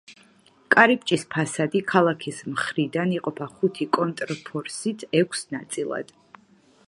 კარიბჭის ფასადი ქალაქის მხრიდან იყოფა ხუთი კონტრფორსით ექვს ნაწილად.